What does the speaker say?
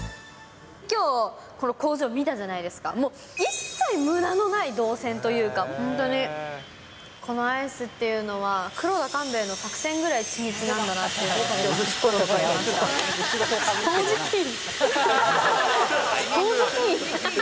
きょう、この工場を見たじゃないですか、もう、一切むだのない動線というか、本当に、このアイスっていうのは、黒田官兵衛の作戦ぐらい緻密なんだなってことが、しっかり分かり掃除機きた。